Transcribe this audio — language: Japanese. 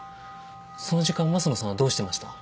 その時間益野さんはどうしてました？